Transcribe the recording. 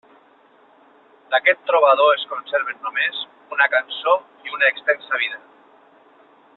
D'aquest trobador es conserven només una cançó i una extensa vida.